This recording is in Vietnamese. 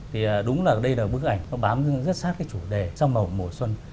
thì đúng là đây là bức ảnh nó bám rất sát cái chủ đề trong màu mùa xuân